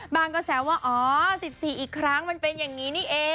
กระแสว่าอ๋อ๑๔อีกครั้งมันเป็นอย่างนี้นี่เอง